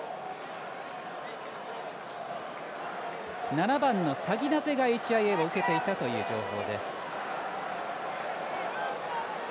７番のサギナゼがＨＩＡを受けていたという情報。